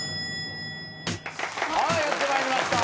はいやってまいりました。